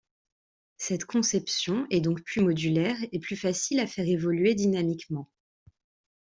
Cette conception est donc plus modulaire et plus facile à faire évoluer dynamiquement.